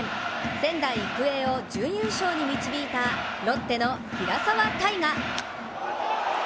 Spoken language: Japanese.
仙台育英を準優勝に導いたロッテの平沢大河。